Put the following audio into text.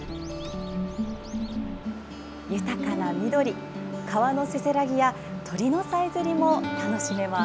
豊かな緑、川のせせらぎや鳥のさえずりも楽しめます。